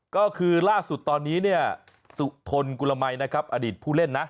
ก็คือล่าสุดตอนนี้สุธนกุลมัยอดีตผู้เล่นนะ